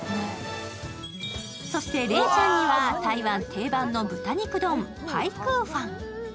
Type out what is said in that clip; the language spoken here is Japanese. そして礼ちゃんには台湾定番の豚肉丼・パイクーファン。